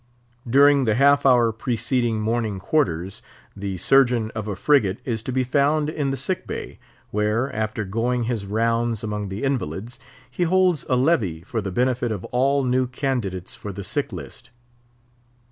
During the half hour preceding morning quarters, the Surgeon of a frigate is to be found in the sick bay, where, after going his rounds among the invalids, he holds a levee for the benefit of all new candidates for the sick list.